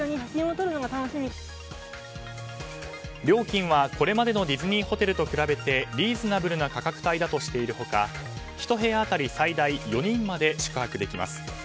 料金は、これまでのディズニーホテルと比べてリーズナブルな価格帯だとしている他１部屋当たり最大４人まで宿泊できます。